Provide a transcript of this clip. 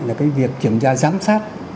là cái việc kiểm tra giám sát